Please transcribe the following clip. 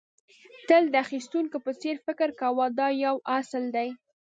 تل د اخيستونکي په څېر فکر کوه دا یو اصل دی.